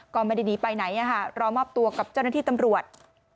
ก็ไม่ได้หนีไปไหนรอมอบตัวกับเจ้าหน้าที่ตำรวจ